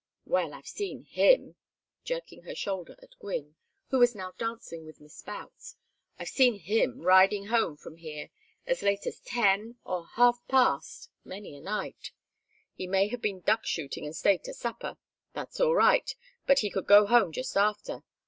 Well, I've seen him" jerking her shoulder at Gwynne, who was now dancing with Miss Boutts "I've seen him riding home from here as late as ten or half past, many a night. He may have been duck shooting and stayed to supper. That's all right, but he could go home just after.